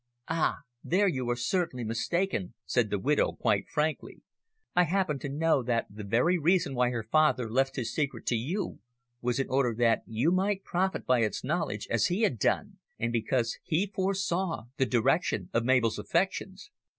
"Ah! There you are entirely mistaken," said the widow, quite frankly. "I happen to know that the very reason why her father left his secret to you was in order that you might profit by its knowledge as he had done, and because he foresaw the direction of Mabel's affections."